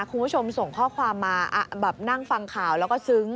คุณผู้ชมส่งข้อความมาแบบนั่งฟังข่าวแล้วก็ซึ้ง